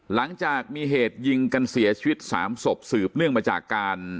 หลังจากมีเหตุยิงกันเสียชีวิตสามศพสืบเนื่องมาจากการ